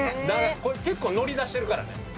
これ結構乗り出してるからね。